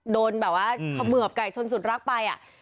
โดนแบบว่าเขมือบไก่ชนสุดรักไป